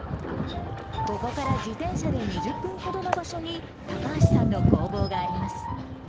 ここから自転車で２０分ほどの場所に、高橋さんの工房があります。